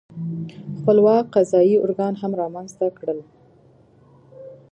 خپلواک قضايي ارګان هم رامنځته کړل.